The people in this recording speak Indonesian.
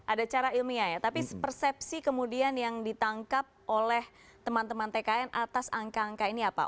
ada cara ilmiah ya tapi persepsi kemudian yang ditangkap oleh teman teman tkn atas angka angka ini apa